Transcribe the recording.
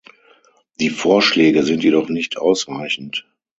Die Vorschläge sind jedoch nicht ausreichend.